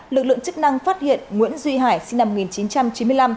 lực lượng chức năng phát hiện nguyễn duy hải sinh năm một nghìn chín trăm chín mươi năm